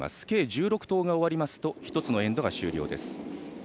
計１６投が終わりますと１つのエンドが終了です。